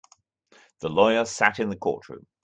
The lawyer sat in the courtroom.